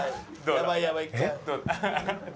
やばいやばい。